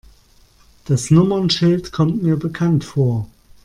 Das Nummernschild kommt mir bekannt vor.